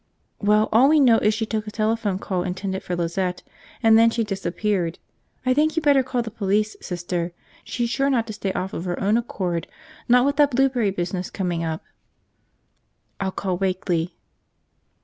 "Well, all we know is she took a telephone call intended for Lizette, and then she disappeared. I think you better call the police, Sister. She's sure not staying off of her own accord, not with that blueberry business coming up." "I'll call Wakeley."